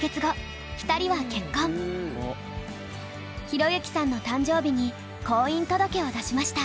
寛之さんの誕生日に婚姻届を出しました。